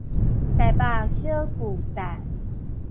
台北小巨蛋